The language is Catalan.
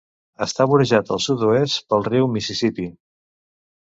Està vorejat al sud-oest pel riu Mississippi.